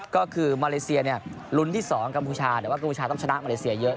ก็คือมาเลเซียเนี่ยลุ้นที่๒กัมพูชาแต่ว่ากัมพูชาต้องชนะมาเลเซียเยอะ